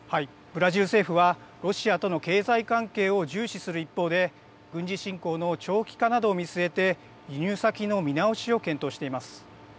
ブラジル政府はロシアとの経済関係を重視する一方で軍事侵攻の長期化などを見据えて輸入先の見直しを検討しています。